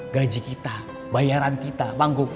gaji kita bayaran kita manggung